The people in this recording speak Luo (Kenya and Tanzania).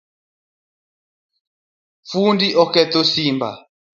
Fundi oketho simba